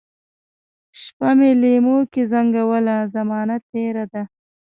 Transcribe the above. شپه مي لېموکې زنګوله ، زمانه تیره ده